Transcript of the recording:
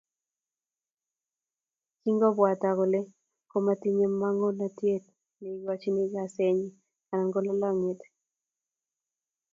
Kingobwatwa kole komakotinyei manongotiot neikochini kasenyi anan ko lolongyet